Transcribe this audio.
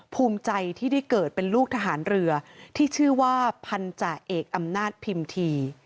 ภูมิใจที่ได้เกิดเป็นลูกทหารเรือที่ชื่อว่าพันธาเอกอำนาจพิมพี